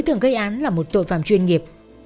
tưởng gây án là một tội phạm chuyên nghiệp